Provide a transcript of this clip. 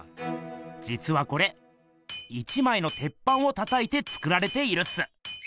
じつはこれ１まいのてっぱんをたたいて作られているっす。